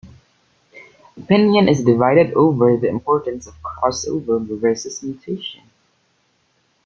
Opinion is divided over the importance of crossover versus mutation.